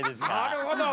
なるほど！